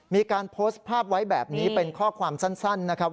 มีการโพสต์ภาพไว้แบบนี้เป็นข้อความสั้นนะครับ